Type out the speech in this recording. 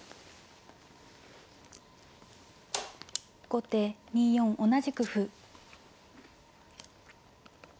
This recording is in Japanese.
後手２四同じく歩。